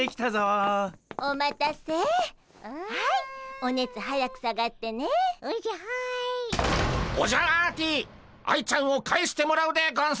オジャアーティ愛ちゃんを返してもらうでゴンス。